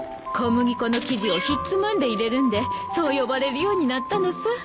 小麦粉の生地をひっつまんで入れるんでそう呼ばれるようになったのす。